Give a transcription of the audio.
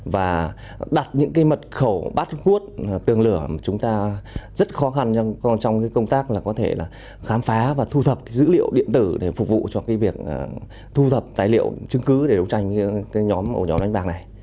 và đặt những mật khẩu bắt hút tường lửa mà chúng ta rất khó khăn trong công tác là có thể khám phá và thu thập dữ liệu điện tử để phục vụ cho việc thu thập tài liệu chứng cứ để đấu tranh nhóm đánh bạc này